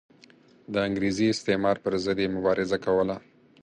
د انګریزي استعمار پر ضد یې مبارزه کوله.